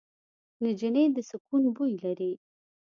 نجلۍ د سکون بوی لري.